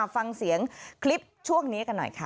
ฟังเสียงคลิปช่วงนี้กันหน่อยค่ะ